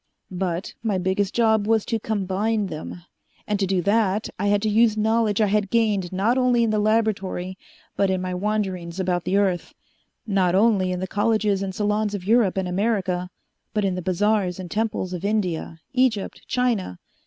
"But my biggest job was to combine them. And, to do that, I had to use knowledge I had gained not only in the laboratory but in my wanderings about the earth not only in the colleges and salons of Europe and America, but in the bazaars and temples of India, Egypt, China.